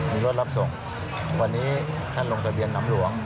มีรถรับส่งวันนี้ท่านลงทะเบียนน้ำหลวง